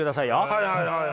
はいはいはい。